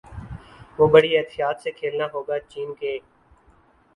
وہ بڑی احتیاط سے کھیلنا ہوگا چین کے